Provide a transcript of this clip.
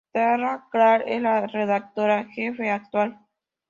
Tara Kraft es la redactora jefe actual.